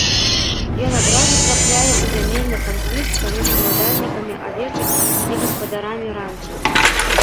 Ён адразу трапляе ў зямельны канфлікт паміж уладальнікамі авечак і гаспадарамі ранча.